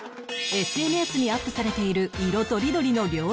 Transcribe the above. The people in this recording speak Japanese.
ＳＮＳ にアップされている色とりどりの料理写真